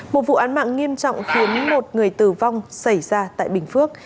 một vụ án mạng nghiêm trọng khiến một người tử vong xảy ra tại bình phước